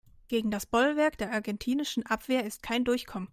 Gegen das Bollwerk der argentinischen Abwehr ist kein Durchkommen.